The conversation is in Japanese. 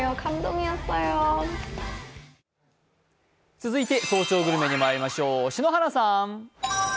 続いて「早朝グルメ」にまいりましょう。